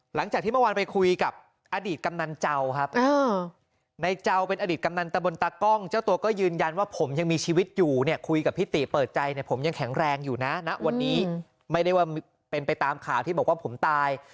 หลังจากที่เมื่อวานไปคุยกับอดีตกำนันเจ้าครับในเจ้าเป็นอดีตกำนันตะบนตากล้องเจ้าตัวก็ยืนยันว่าผมยังมีชีวิตอยู่เนี่ยคุยกับพี่ติเปิดใจเนี่ยผมยังแข็งแรงอยู่นะณวันนี้ไม่ได้ว่าเป็นไปตามข่าวที่บอกว่าผมตาย